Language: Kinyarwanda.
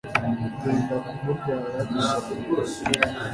byenda kumurwara gusoma